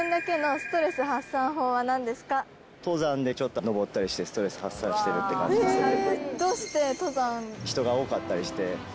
登山で登ったりしてストレス発散してるって感じですかね。